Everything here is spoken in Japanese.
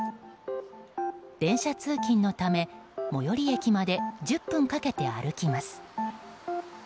電車通勤のため、最寄り駅まで１０分かけて歩きます。